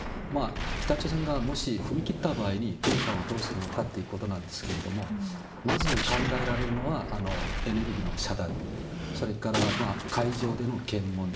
北朝鮮がもし踏み切った場合に、米韓はどうするのかということなんですけれども、まず考えられるのは、エネルギーの遮断、それから海上での検問。